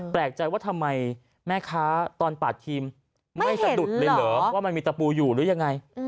แปลกใจว่าทำไมแม่ค้าตอนปาดครีมไม่สะดุดเลยเหรอว่ามันมีตะปูอยู่หรือยังไง